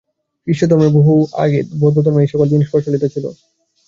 খ্রীষ্টধর্মের বহু আগে বৌদ্ধধর্মে এই-সকল জিনিষ প্রচলিত ছিল।